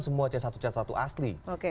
semua c satu c satu asli